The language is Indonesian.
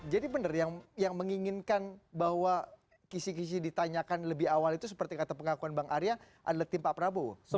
jadi benar yang menginginkan bahwa kisi kisi ditanyakan lebih awal itu seperti kata pengakuan bang arya adalah tim pak prabowo